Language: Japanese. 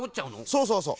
そうそうそう。